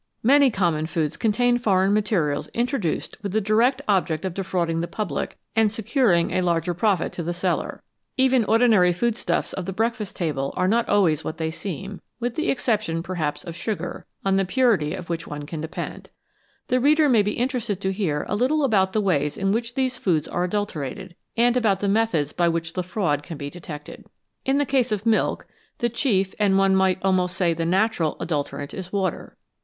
Many common foods contain foreign materials intro duced with the direct object of defrauding the public and securing a larger profit to the seller. Even the THE ADULTERATION OF FOOD ordinary food stuffs of the breakfast table are not always what they seem, with the exception, perhaps, of sugar, on the purity of which one can depend. The reader may be interested to hear a little about the ways in which these foods are adulterated, and about the methods by which the fraud can be detected. In the case of milk the chief, and one might almost say the natural, adulterant is water.